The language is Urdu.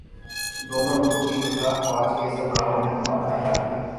دونوں ملکوں کی مسلح افواج کے سربراہوں نے تبادلہ خیال کیا ہے